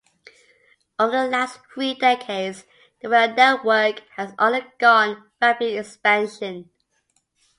Over the last three decades the rail network has undergone rapid expansion.